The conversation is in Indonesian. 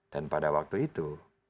dan pada waktu itu